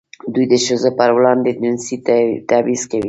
دوی د ښځو پر وړاندې جنسي تبعیض کوي.